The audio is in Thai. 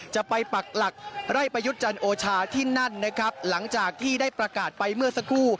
ปักหลักไล่ประยุทธ์จันทร์โอชาที่นั่นนะครับหลังจากที่ได้ประกาศไปเมื่อสักครู่